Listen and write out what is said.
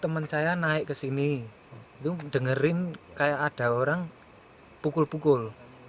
teman saya naik ke sini itu dengerin kayak ada orang pukul pukul